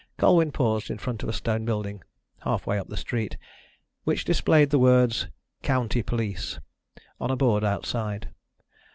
Colwyn paused in front of a stone building, half way up the street, which displayed the words, "County Police," on a board outside.